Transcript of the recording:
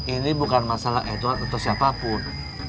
ini bukan masalah edward untuk siapapun